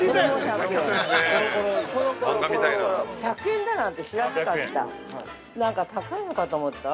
◆１００円だなんて知らなかった。